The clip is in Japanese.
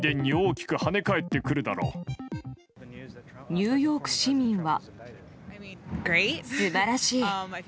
ニューヨーク市民は。